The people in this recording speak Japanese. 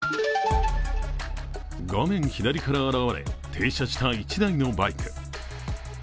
画面左から現れ、停車した１台のバイク。